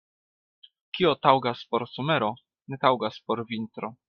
Kio taŭgas por somero, ne taŭgas por vintro.